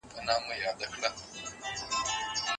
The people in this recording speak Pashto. ښوونځي د پوهي او روزني مرکزونه دي.